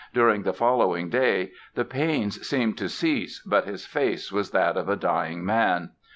During the following day the pains seemed to cease, but his face was that of a dying man".